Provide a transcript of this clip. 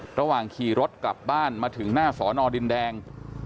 ระหว่างขี่รถกลับบ้านมาถึงหน้าสอนอดินแดง